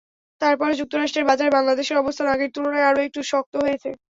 তারপরও যুক্তরাষ্ট্রের বাজারে বাংলাদেশের অবস্থান আগের তুলনায় আরও একটু শক্ত হয়েছে।